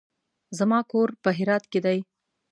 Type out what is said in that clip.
زما کور په هرات کې دی.